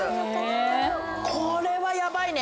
これはヤバいね。